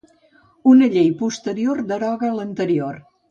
Una llei posterior deroga l'anterior.